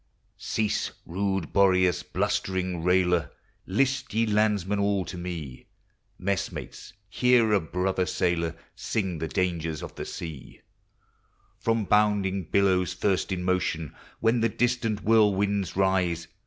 Cease, rude Boreas, blustering railer! List, ye landsmen, all to me, Messmates, hear a brother sailor Siug the dangers of the sea ; From bounding billows, first in motion, When the distant whirlwinds rise.